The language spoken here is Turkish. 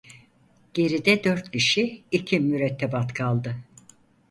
Geride dört kişi iki mürettebat kaldı.